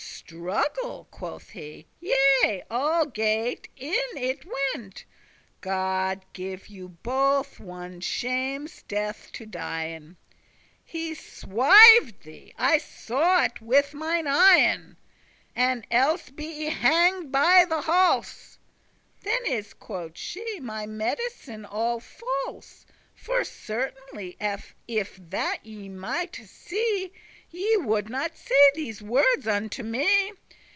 "Struggle!" quoth he, "yea, algate* in it went. *whatever way God give you both one shame's death to dien! He swived* thee; I saw it with mine eyen; *enjoyed carnally And elles be I hanged by the halse."* *neck "Then is," quoth she, "my medicine all false; For certainly, if that ye mighte see, Ye would not say these wordes unto me.